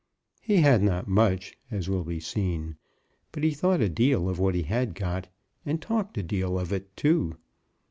He had not much, as will be seen; but he thought a deal of what he had got, and talked a deal of it too.